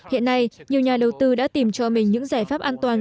hiện nay nhiều nhà đầu tư đã tìm cho mình những giải pháp an toàn